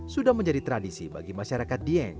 sudah menjadi tradisi bagi masyarakat dieng